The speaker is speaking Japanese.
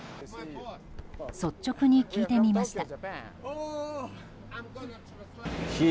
率直に聞いてみました。